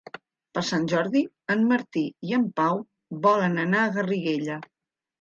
Per Sant Jordi en Martí i en Pau volen anar a Garriguella.